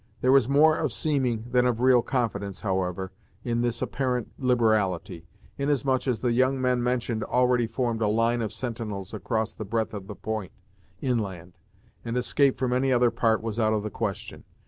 There was more of seeming, than of real confidence, however, in this apparent liberality, inasmuch as the young men mentioned already formed a line of sentinels across the breadth of the point, inland, and escape from any other part was out of the question.